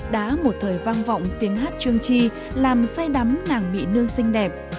đã một thời vang vọng tiếng hát trương tri làm say đắm nàng mỹ nương xinh đẹp